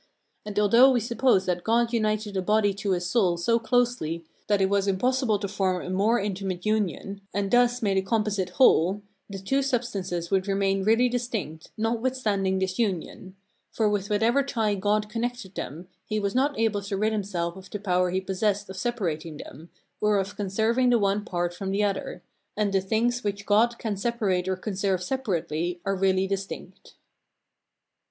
And although we suppose that God united a body to a soul so closely that it was impossible to form a more intimate union, and thus made a composite whole, the two substances would remain really distinct, notwithstanding this union; for with whatever tie God connected them, he was not able to rid himself of the power he possessed of separating them, or of conserving the one apart from the other, and the things which God can separate or conserve separately are really distinct.